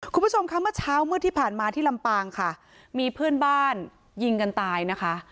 คุณผู้ชมคะเมื่อเช้ามืดที่ผ่านมาที่ลำปางค่ะมีเพื่อนบ้านยิงกันตายนะคะ